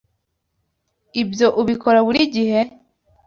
Ibyo ubikora buri gihe?